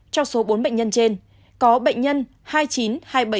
trong số bốn bệnh nhân trên có bệnh nhân hai trăm chín mươi hai nghìn bảy trăm linh một